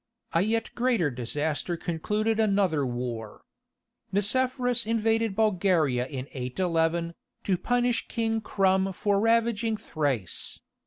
A yet greater disaster concluded another war. Nicephorus invaded Bulgaria in 811, to punish King Crumn for ravaging Thrace.